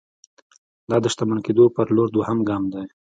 دا د شتمن کېدو پر لور دويم ګام دی.